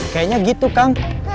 kayaknya gitu kang